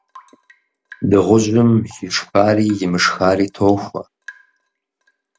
Дыгъужьым ишхари имышхари тохуэ.